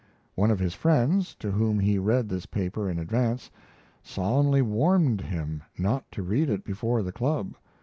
One of his friends, to whom he read this paper in advance, solemnly warned him not to read it before the club.